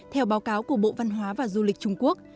theo báo cáo của bộ văn hóa và du lịch trung quốc